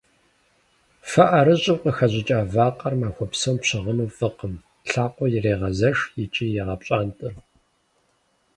Фэ ӏэрыщӏым къыхэщӏыкӏа вакъэр махуэ псом пщыгъыну фӏыкъым, лъакъуэр ирегъэзэш икӏи егъэпщӏантӏэ.